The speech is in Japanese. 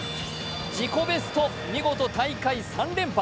自己ベスト、見事大会３連覇。